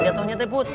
gatohnya teh put